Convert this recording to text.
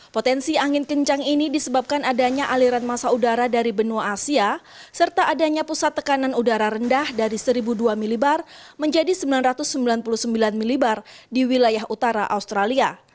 potensi angin kencang ini disebabkan adanya aliran masa udara dari benua asia serta adanya pusat tekanan udara rendah dari satu dua milibar menjadi sembilan ratus sembilan puluh sembilan ml di wilayah utara australia